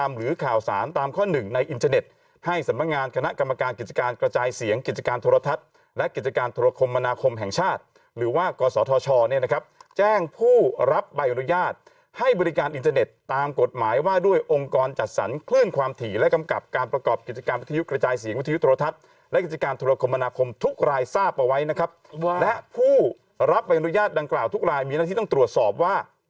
หรือว่ากศทเนี่ยนะครับแจ้งผู้รับใบอนุญาตให้บริการอินเทอร์เน็ตตามกฎหมายว่าด้วยองค์กรจัดสรรคลื่นความถี่และกำกับการประกอบกิจกรรมวิทยุกระจายเสียงวิทยุทธรทัศน์และกิจกรรมธุรกรมนาคมทุกรายทราบเอาไว้นะครับและผู้รับใบอนุญาตดังกล่าวทุกรายมีหน้าที่ต้องตรว